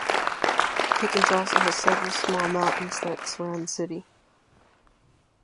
Pickens also has several small mountains that surround the city.